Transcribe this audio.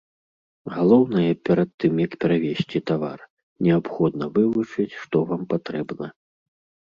Галоўнае перад тым, як перавезці тавар, неабходна вывучыць, што вам патрэбна.